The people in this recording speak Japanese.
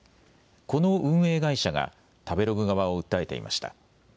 この運営会社が食べログ側を訴えていました。